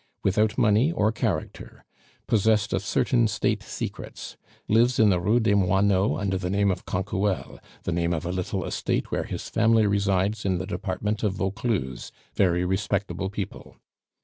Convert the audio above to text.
"Without money or character; possessed of certain State secrets. "Lives in the Rue des Moineaux under the name of Canquoelle, the name of a little estate where his family resides in the department of Vaucluse; very respectable people.